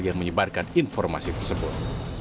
yang menyebarkan informasi tersebut